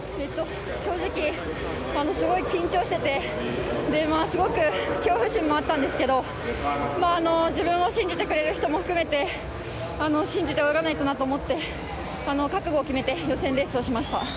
正直ものすごい緊張しててすごく恐怖心もあったんですけど自分を信じてくれる人も含めて信じて泳がないとなと思って覚悟を決めて予選レースをしました。